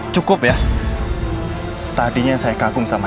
sampai jumpa di video selanjutnya